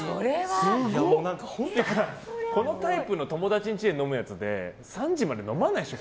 このタイプの、友達の家で飲むやつで３時まで飲まないでしょ。